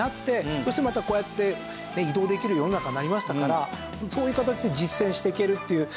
そしてまたこうやって移動できる世の中になりましたからそういう形で実践していけるっていう。